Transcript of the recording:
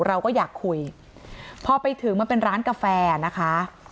เราก็อยากคุยพอไปถึงมันเป็นร้านกาแฟนะคะ